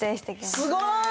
すごい！